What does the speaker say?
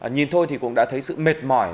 nhìn thôi thì cũng đã thấy sự mệt mỏi